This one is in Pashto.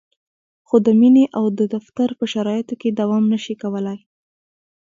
خو د مینې او د دفتر په شرایطو کې دوام نشي کولای.